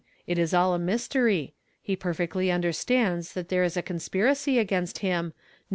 It Is all mystery. He perfectly Undei stands that tliere is a conspiracy against liini, knon.